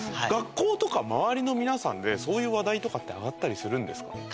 学校とか周りの皆さんでそういう話題とかって上がったりするんですか？